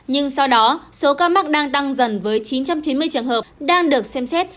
nhưng sau đó số ca mắc đang tăng dần với chín trăm chín mươi trường hợp đang được xem xét